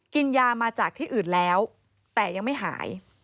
กินยามาจากที่อื่นแล้วแต่ยังไม่หาย